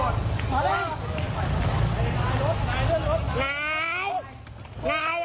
นาย